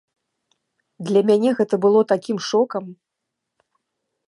Для мяне гэта было такім шокам!